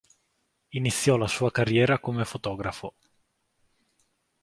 Iniziò la sua carriera come fotografo.